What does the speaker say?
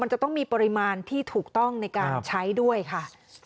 จะต้องมีปริมาณที่ถูกต้องในการใช้ด้วยค่ะ